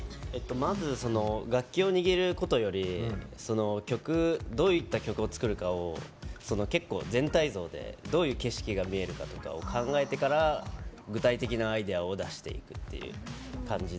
まず楽器を握ることよりどういった曲を作るかを結構全体像でどういう景色が見えるかとかを考えてから具体的なアイデアを出していくっていう感じで。